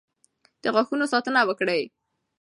د غاښونو ساتنه وکړئ.